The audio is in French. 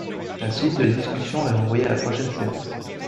La suite de la discussion est renvoyée à la prochaine séance.